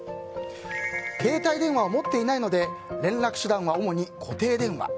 携帯電話を持っていないので連絡手段は主に固定電話。